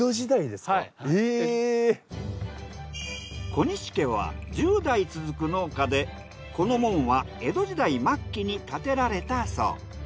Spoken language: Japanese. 小西家は１０代続く農家でこの門は江戸時代末期に建てられたそう。